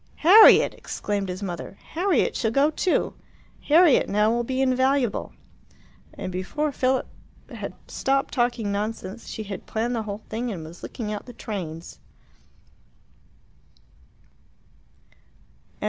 "Harriet!" exclaimed his mother. "Harriet shall go too. Harriet, now, will be invaluable!" And before Philip had stopped talking nonsense, she had planned the whole thing and was looking out the trains.